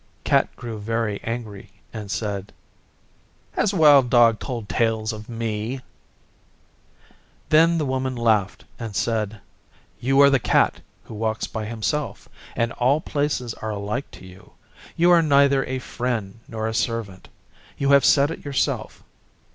Cat grew very angry and said, 'Has Wild Dog told tales of me?' Then the Woman laughed and said, 'You are the Cat who walks by himself, and all places are alike to you. Your are neither a friend nor a servant. You have said it yourself.